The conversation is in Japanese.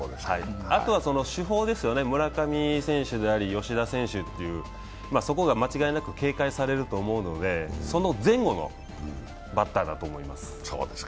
あとは主砲ですよね、村上選手であり、吉田選手という、そこが間違いなく警戒されると思うのでその前後のバッターだと思います。